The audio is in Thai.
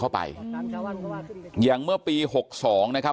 พ่ออยู่หรือเปล่า